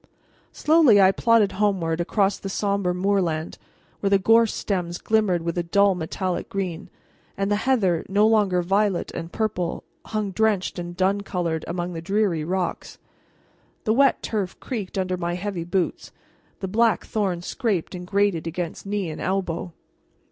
Slowly I plodded homeward across the somber moorland, where the gorse stems glimmered with a dull metallic green, and the heather, no longer violet and purple, hung drenched and dun colored among the dreary rocks. The wet turf creaked under my heavy boots, the black thorn scraped and grated against knee and elbow.